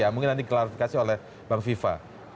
mungkin nanti klarifikasi oleh bang viva